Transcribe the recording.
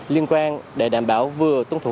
liên quan để đảm bảo vừa tuân thủ